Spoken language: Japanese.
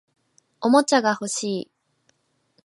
おもちゃが欲しい